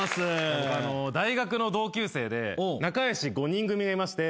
大学の同級生で仲良し５人組がいまして。